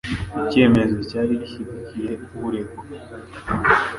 Icyemezo cyari gishyigikiye uregwa